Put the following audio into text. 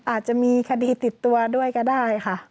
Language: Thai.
อาจจะมีคดีติดตัวด้วยก็ได้ค่ะ